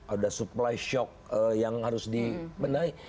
ada supply shock yang harus dibenahi